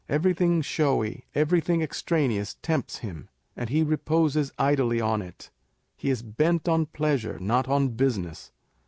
Everything showy, everything extraneous tempts him, and he reposes idly 'on it : he is bent on pleasure, not on business.